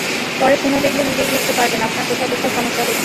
পরে শুনে দেখলে নিজেই বুঝতে পারবেন, আপনার কোথায় কোথায় সমস্যা হচ্ছে।